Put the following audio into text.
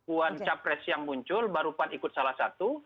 wabrapat yang muncul baru pan ikut salah satu